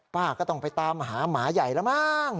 ป้าก็ต้องไปตามหาหมาใหญ่แล้วมั้ง